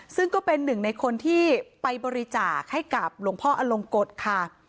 ซึ่งก็เป็นหนึ่งในคนที่ไปบริจาคให้กับหลวงพ่ออลงกฎค่ะ